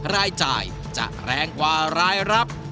รายจ่ายจะแรงกว่ารายรับ